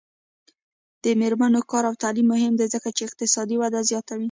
د میرمنو کار او تعلیم مهم دی ځکه چې اقتصادي وده زیاتوي.